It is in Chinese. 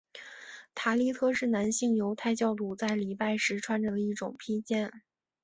塔利特是男性犹太教徒在礼拜时穿着的一种披肩。